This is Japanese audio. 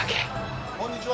こんにちは！